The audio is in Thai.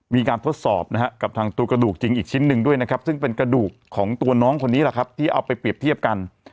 มีการทดสอบนะฮะกับทางตัวกระดูกจริงอีกชิ้นหนึ่งด้วยนะครับซึ่งเป็นกระดูกของตัวน้องคนนี้แหละครับที่เอาไปเปรียบเทียบกัน